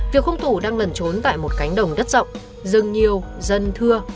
việc hung thủ đang lẩn trốn tại một cánh đồng đất rộng rừng nhiều dân thưa